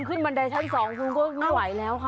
บันไดชั้น๒คุณก็ไม่ไหวแล้วค่ะ